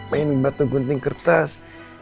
main batu gunting kertas